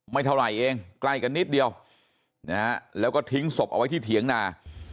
ไม่เท่าไหร่เองใกล้กันนิดเดียวนะฮะแล้วก็ทิ้งศพเอาไว้ที่เถียงนา